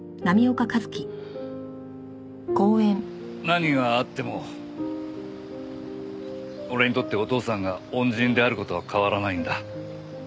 何があっても俺にとってお父さんが恩人である事は変わらないんだ。